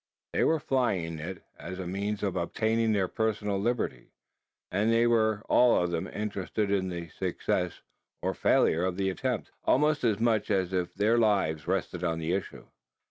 They were flying it as a means of obtaining their personal liberty; and they were all of them interested in the success or failure of the attempt almost as much as if their lives rested on the issue.